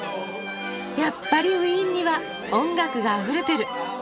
やっぱりウィーンには音楽があふれてる。